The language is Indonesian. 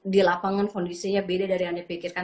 di lapangan kondisinya beda dari yang dipikirkan